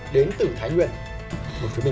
đến từ thái nguyện